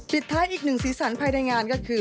ปิดท้ายอีกหนึ่งสีสันภายในงานก็คือ